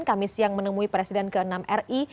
kami siang menemui presiden ke enam ri